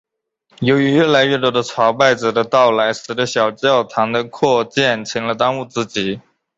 由于越来越多的朝拜者的到来使的小教堂的扩建成了当务之急。